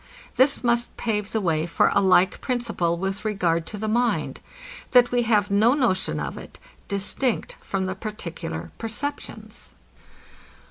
This must pave the way for a like principle with regard to the mind, that we have no notion of it, distinct from the particular perceptions.